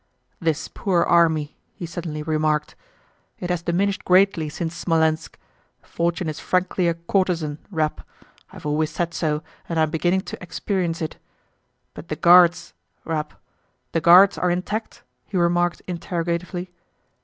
"This poor army!" he suddenly remarked. "It has diminished greatly since Smolénsk. Fortune is frankly a courtesan, Rapp. I have always said so and I am beginning to experience it. But the Guards, Rapp, the Guards are intact?" he remarked interrogatively.